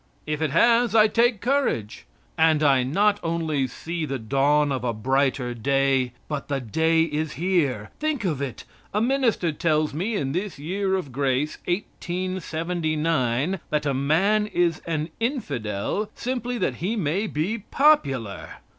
If it has, I take courage. And I not only see the dawn of a brighter day, but the day is here. Think of it! A minister tells me in this year of grace, 1879, that a man is an infidel simply that he may be popular.